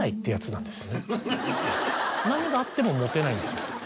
何があってもモテないんです。